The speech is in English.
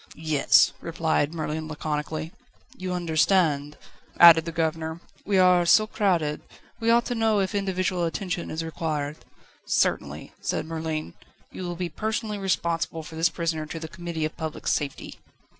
"Yes," replied Merlin laconically. "You understand," added the governor; "we are so crowded. We ought to know if individual attention is required." "Certainly," said Merlin, "you will be personally responsible for this prisoner to the Committee of Public Safety."